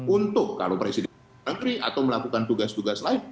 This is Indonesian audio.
untuk kalau presiden negeri atau melakukan tugas tugas lain